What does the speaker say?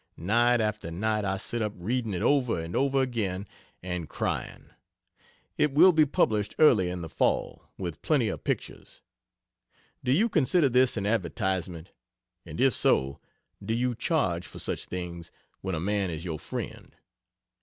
Night after night I sit up reading it over and over again and crying. It will be published early in the Fall, with plenty of pictures. Do you consider this an advertisement? and if so, do you charge for such things when a man is your friend?